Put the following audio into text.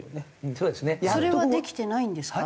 それはできてないんですか？